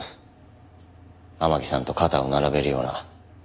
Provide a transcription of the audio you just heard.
天樹さんと肩を並べるような。